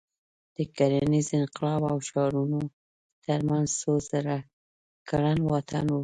د کرنیز انقلاب او ښارونو تر منځ څو زره کلن واټن و.